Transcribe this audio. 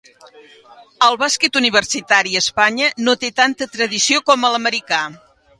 El bàsquet universitari a Espanya no té tanta tradició com l'americà.